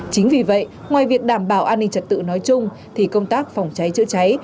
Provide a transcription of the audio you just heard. chính vì vậy ngoài việc đảm bảo an ninh trật tự nói chung thì công tác phòng cháy chữa cháy